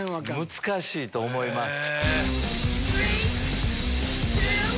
難しいと思います。